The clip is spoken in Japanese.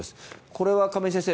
これは亀井先生